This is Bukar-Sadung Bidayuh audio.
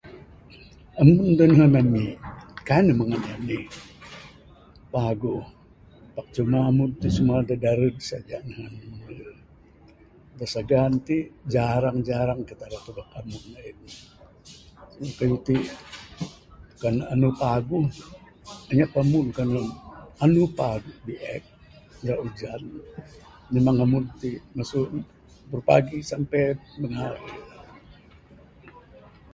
Ami da nehen ami kaik ne meng anih anih paguh pak cuma amun ti da darud saja nehen mende. Da sagan ti jarang jarang kita ra tubek amun ain. Kan anu paguh anyap amun kan ne anu pagu biek ra ujan memang amun ti masu baru pagi sampe bingare.